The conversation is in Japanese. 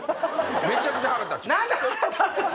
めちゃくちゃ腹立ちます。